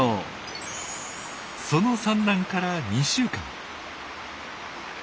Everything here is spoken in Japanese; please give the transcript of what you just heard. その産卵から２週間。